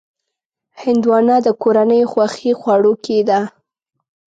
هندوانه د کورنیو خوښې خوړو کې ده.